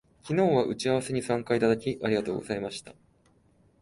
昨日は打ち合わせに参加いただき、ありがとうございました